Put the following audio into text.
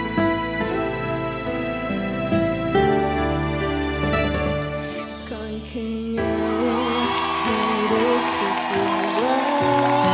ก่อนคืนอยู่เคยรู้สึกอยู่ว่า